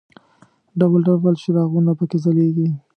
ډول ډول څراغونه په کې ځلېږي.